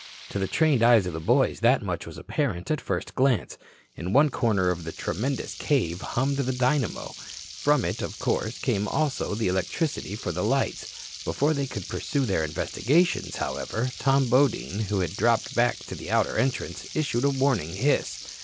To the trained eyes of the boys that much was apparent at first glance. In one corner of the tremendous cave hummed the dynamo. From it, of course, came also the electricity for the lights. Before they could pursue their investigations, however, Tom Bodine, who had dropped back to the outer entrance, issued a warning hiss.